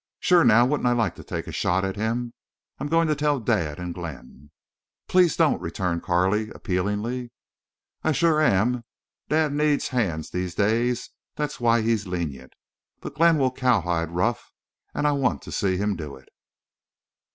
Shore, now, wouldn't I like to take a shot at him?... I'm going to tell dad and Glenn." "Please don't," returned Carley, appealingly. "I shore am. Dad needs hands these days. That's why he's lenient. But Glenn will cowhide Ruff and I want to see him do it."